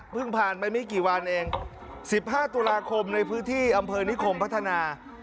เพิ่งผ่านไปไม่กี่วันเองสิบห้าตุลาคมในพื้นที่อำเภณิคมพัฒนา